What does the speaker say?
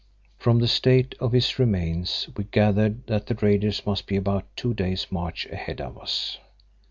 From the state of his remains we gathered that the raiders must be about two days' march ahead of us.